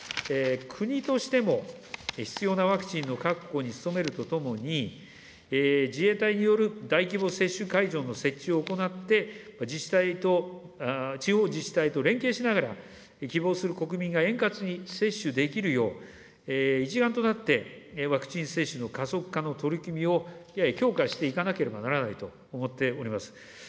国としても、必要なワクチンの確保に努めるとともに、自衛隊による大規模接種会場の設置を行って、自治体と、地方自治体と連携しながら、希望する国民が円滑に接種できるよう、一丸となって、ワクチン接種の加速化の取り組みを強化していかなければならないと思っております。